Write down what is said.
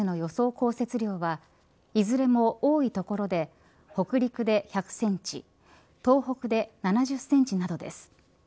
降雪量はいずれも多い所で北陸で１００センチ東北で７０センチなどです